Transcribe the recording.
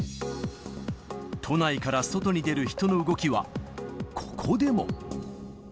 都内から外に出る人の動きは、ここでも。